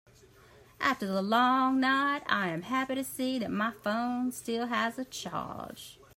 After the long night, I am happy to see that my phone still has a charge.